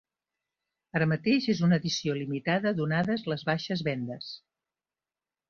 Ara mateix és una edició limitada donades les baixes vendes.